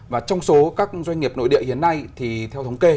và trong số các doanh nghiệp nội địa hiện nay thì theo thống kê